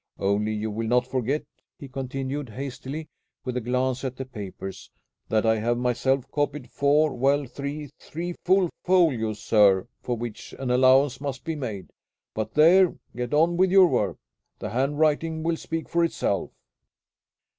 Only you will not forget," he continued hastily, with a glance at the papers, "that I have myself copied four well, three three full folios, sir, for which an allowance must be made. But there! Get on with your work. The handwriting will speak for itself."